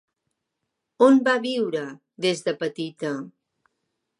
On va viure des de petita?